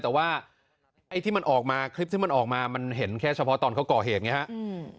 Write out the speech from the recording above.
แต่ว่าไอ้ที่มันออกมาคลิปที่มันออกมามันเห็นแค่เฉพาะตอนเขาก่อเหตุไงฮะอืม